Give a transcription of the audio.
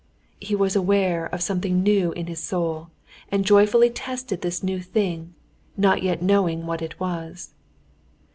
He was aware of something new in his soul, and joyfully tested this new thing, not yet knowing what it was.